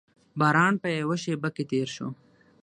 باران په یوه شېبه کې تېر شو.